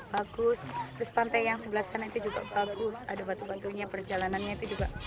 juga apa ya pemandangannya di sini juga bagus terus pantai yang sebelah sana itu juga bagus ada batu batunya perjalanannya itu juga bagus keren banget